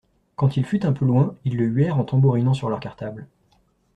Quand il fut un peu loin, ils le huèrent en tambourinant sur leurs cartables.